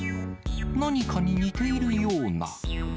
何かに似ているような。